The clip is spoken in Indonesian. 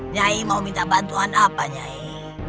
nyai mau minta bantuan apa nyai